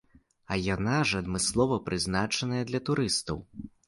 А яна ж адмыслова прызначаная для турыстаў.